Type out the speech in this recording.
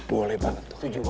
boleh banget tuh